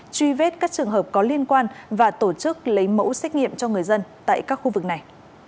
truy vết các trường hợp có liên quan và tổ chức lấy mẫu xét nghiệm cho người dân tại các khu vực này